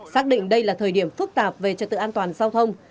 xác định đây là thời điểm phức tạp về trật tự an toàn giao thông